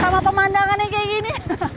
sama pemandangannya kayak gini